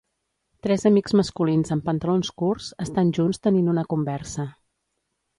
Tres amics masculins en pantalons curts estan junts tenint una conversa